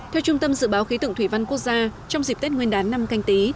theo trung tâm dự báo khí tượng thủy văn quốc gia trong dịp tết nguyên đán năm canh tí